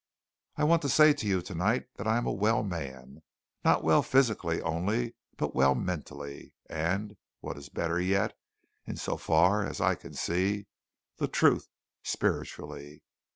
"I want to say to you tonight that I am a well man not well physically only, but well mentally, and, what is better yet, in so far as I can see the truth, spiritually.